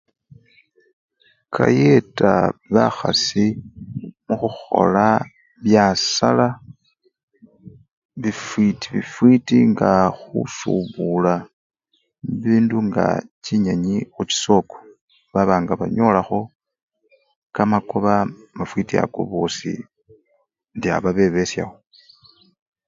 Kayeta bakhasi mukhukhola byaasala bifwiti bifwiti nga khusubula bibindu nga chinyenyi khuchisoko baba nga banyolakho kamakoba mafwita ako bosi indi aba bebeshawo.